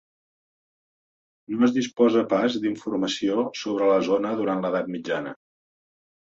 No es disposa pas d'informació sobre la zona durant l'edat mitjana.